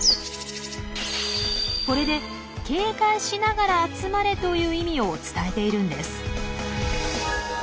これで「警戒しながら集まれ」という意味を伝えているんです。